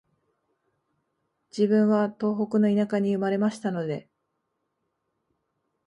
自分は東北の田舎に生まれましたので、